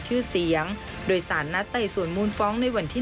ชื่อเสียงโดยสารนัดไต่สวนมูลฟ้องในวันที่๑